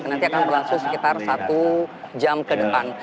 dan nanti akan berlangsung sekitar satu jam ke depan